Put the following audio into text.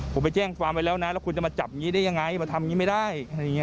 ผมไปแจ้งความไปแล้วนะแล้วคุณจะมาจับอย่างนี้ได้ยังไงมาทำอย่างนี้ไม่ได้